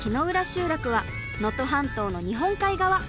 集落は能登半島の日本海側。